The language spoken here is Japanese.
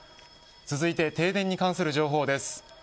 続いて停電に関する情報です。